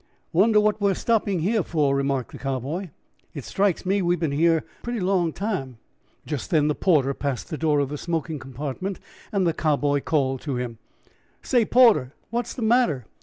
"Wonder what we are stopping here for," remarked the Cowboy; "it strikes me we've been here a pretty long time." Just then the porter passed the door of the smoking compartment, and the Cowboy called to him: "Say, porter, what's the matter?